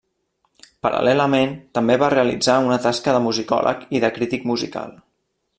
Paral·lelament, també va realitzar una tasca de musicòleg i de crític musical.